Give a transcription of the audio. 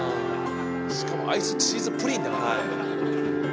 しかもアイスチーズプリンだからね。